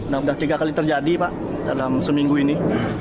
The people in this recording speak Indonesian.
nah sudah tiga kali terjadi pak dalam seminggu ini